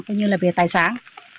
coi như là về tài sản